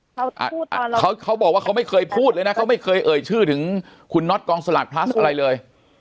เขาเขาบอกว่าเขาไม่เคยพูดเลยนะเขาไม่เคยเอ่ยชื่อถึงคุณน็อตกองสลากพลัสอะไรเลย